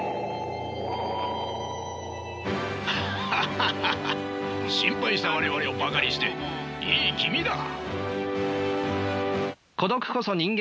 ハハハハ心配した我々をバカにしていい気味だ。